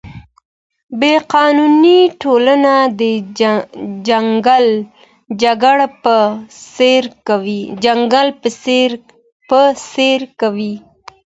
بې قانوني ټولنه د ځنګل په څېر کوي.